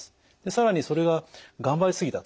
更にそれが頑張り過ぎた。